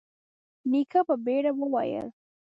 نيکه په بيړه وويل: